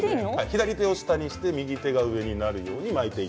左手を下にして右手が上になるようにして。